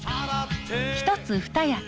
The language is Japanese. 「一つ二役。